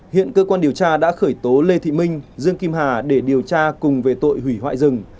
hiện cơ quan điều tra đã khởi tố lê thị minh dương kim hà để điều tra cùng về tội hủy hoại rừng